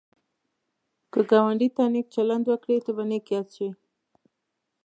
که ګاونډي ته نېک چلند وکړې، ته به نېک یاد شي